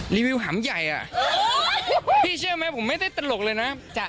รีวิวหามใหญ่อ่ะพี่เชื่อไหมผมไม่ได้ตลกเลยนะ